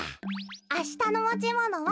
あしたのもちものは。